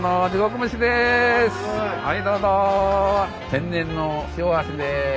天然の塩味です。